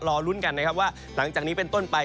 ลุ้นกันนะครับว่าหลังจากนี้เป็นต้นไป